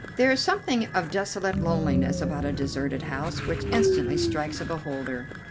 There is something of desolate loneliness about a deserted house which instantly strikes a beholder.